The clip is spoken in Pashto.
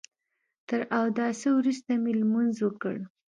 تر اوداسه وروسته مې لمونځ وکړ.